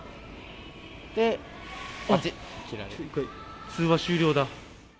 で、通話終了だ。